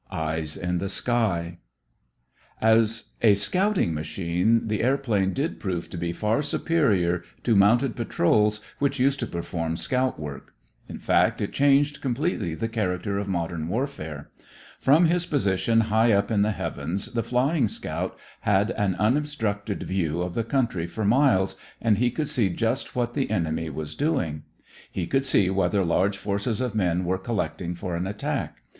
EYES IN THE SKY As a scouting machine the airplane did prove to be far superior to mounted patrols which used to perform scout work. In fact, it changed completely the character of modern warfare. From his position high up in the heavens the flying scout had an unobstructed view of the country for miles and he could see just what the enemy was doing. He could see whether large forces of men were collecting for an attack.